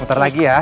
muter lagi ya